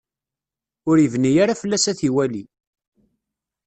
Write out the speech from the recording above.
Ur ibni ara fell-as ad t-iwali.